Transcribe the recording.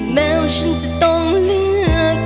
แมวฉันจะต้องเลือก